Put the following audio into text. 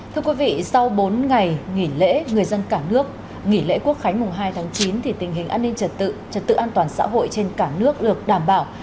thưa quý vị sau bốn ngày nghỉ lễ người dân cả nước nghỉ lễ quốc khánh mùng hai tháng chín thì tình hình an ninh trật tự trật tự an toàn xã hội trên cả nước được đảm bảo